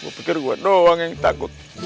gue pikir buat doang yang takut